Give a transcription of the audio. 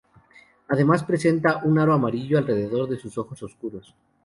Además presenta un aro amarillo alrededor de sus ojos oscuros.